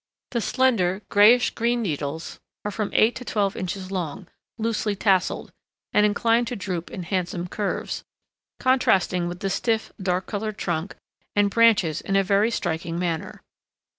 The slender, grayish green needles are from eight to twelve inches long, loosely tasseled, and inclined to droop in handsome curves, contrasting with the stiff, dark colored trunk and branches in a very striking manner.